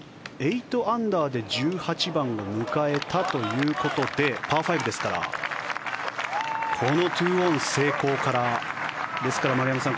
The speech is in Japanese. ８アンダーで１８番を迎えたということでパー５ですからこの２オン成功からですから、丸山さん